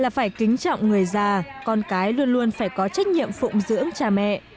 là phải kính trọng người già con cái luôn luôn phải có trách nhiệm phụng dưỡng cha mẹ